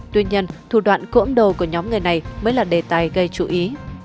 tuy nhiên thủ đoạn cưỡng đồ của nhóm người này mới là đề tài gây chú ý